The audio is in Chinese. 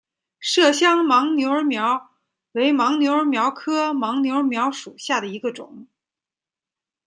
麝香尨牛儿苗为牻牛儿苗科牻牛儿苗属下的一个种。